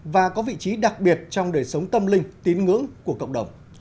và có vị trí đặc biệt trong đời sống tâm linh tín ngưỡng của cộng đồng